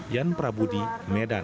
yan prabudi medan